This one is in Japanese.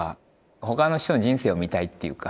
他の人の人生を見たいっていうか。